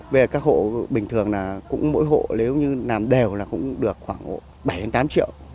về các hộ bình thường là cũng mỗi hộ nếu như làm đều là cũng được khoảng bảy tám triệu